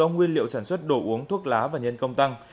nguyên liệu sản xuất đồ uống thuốc lá và nhân công tăng